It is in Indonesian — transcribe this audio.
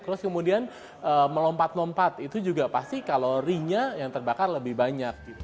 terus kemudian melompat lompat itu juga pasti kalorinya yang terbakar lebih banyak